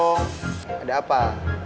tersebut nabut rapi rapi